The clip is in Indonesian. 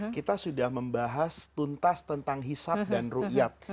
kita sudah membahas tuntas tentang hisab dan rukyat